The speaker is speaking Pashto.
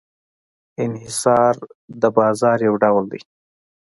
انحصار یا monopoly د بازار یو ډول دی.